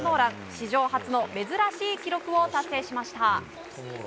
史上初の珍しい記録を達成しました。